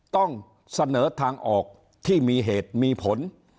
ต้องเสนอทางออกที่มีเหตุมีผล